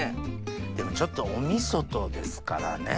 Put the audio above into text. でもちょっとお味噌とですからね。